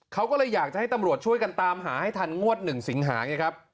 เขาก็เลยอยากจะให้ตำรวจช่วยกันตามหาให้ทันงวด๑สิงหาไงครับ